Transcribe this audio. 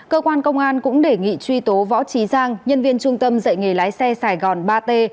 cơ quan công an cũng đề nghị truy tố võ trí giang nhân viên trung tâm dạy nghề lái xe sài gòn ba t